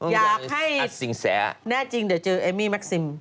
อยากให้แน่จริงเดี๋ยวเจอเอมมี่แม็กซิม